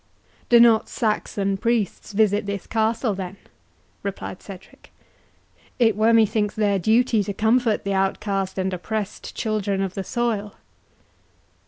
"Do not Saxon priests visit this castle, then?" replied Cedric; "it were, methinks, their duty to comfort the outcast and oppressed children of the soil."